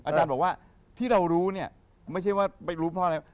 หาจารย์บอกว่าที่เรารู้เนี่ยว่าไม่ใช่ว่ารู้เพราะละ